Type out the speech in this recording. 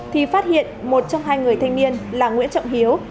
thì phát hiện một trong hai người thanh niên là nguyễn trọng hiếu